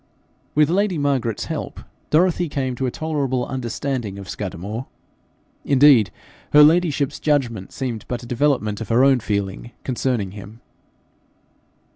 With lady Margaret's help, Dorothy came to a tolerable understanding of Scudamore. Indeed her ladyship's judgment seemed but a development of her own feeling concerning him.